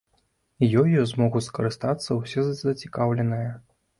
Ёю змогуць скарыстацца ўсе зацікаўленыя.